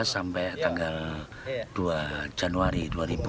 sampai tanggal dua januari dua ribu sembilan belas